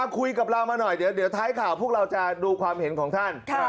คุยกับเรามาหน่อยเดี๋ยวท้ายข่าวพวกเราจะดูความเห็นของท่าน